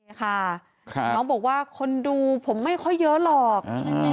นี่ค่ะน้องบอกว่าคนดูผมไม่ค่อยเยอะหรอก